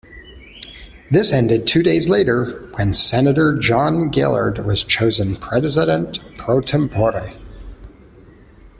This ended two days later, when Senator John Gaillard was chosen president pro tempore.